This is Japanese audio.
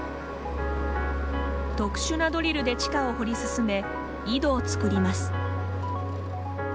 特殊なドリルで地下を掘り進め井戸を作ります。